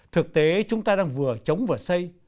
thực tế chúng ta đang vừa chống vừa xây